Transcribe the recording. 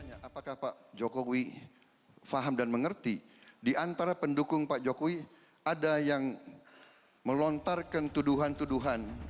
apakah pak jokowi faham dan mengerti diantara pendukung pak jokowi ada yang melontarkan tuduhan tuduhan